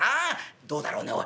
どうだろうねおい。